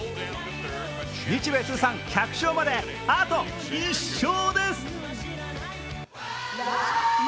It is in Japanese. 日米通算１００勝まであと１勝です。